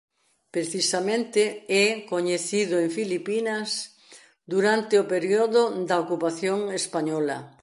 Precisamente é coñecido en Filipinas durante o período da ocupación española.